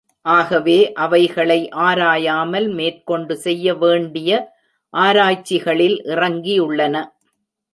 ஆகவே, அவைகளை ஆராயாமல் மேற்கொண்டு செய்ய வேண்டிய ஆராய்ச்சிகளில் இறங்கியுள்ளன.